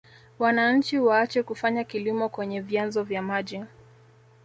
Wananchi waache kufanya kilimo kwenye vyanzo vya maji